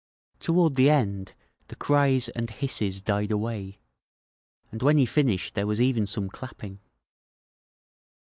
Toward the end, the cries and hisses died away, and when he finished there was even some clapping.